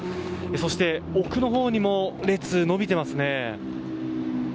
そして、奥のほうにも列が伸びていますね。